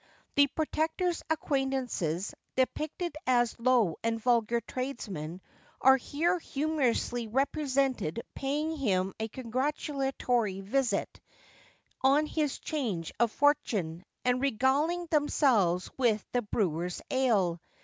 The Protector's acquaintances (depicted as low and vulgar tradesmen) are here humorously represented paying him a congratulatory visit on his change of fortune, and regaling themselves with the 'Brewer's' ale.